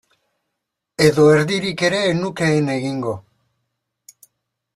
Edo erdirik ere ez nukeen egingo.